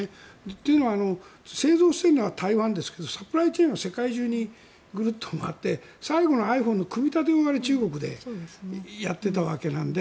というのは製造しているのは台湾ですけどサプライチェーンは世界中にグルッと回って最後のｉＰｈｏｎｅの組み立ては中国でやってたわけなんで。